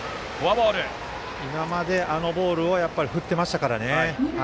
今まで、あのボールを振っていましたからね。